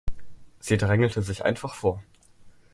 Sie drängelte sich einfach vor.